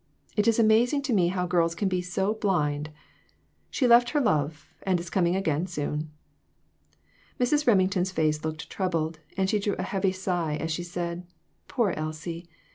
It is amazing to me how girls can be so blind ! She left her love, and is coming again soon." Mrs. Remington's face looked troubled, and she drew a heavy sigh as she said " Poor Elsie